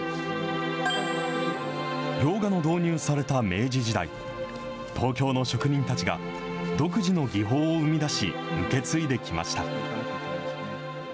洋画の導入された明治時代、東京の職人たちが独自の技法を生み出し、受け継いできました。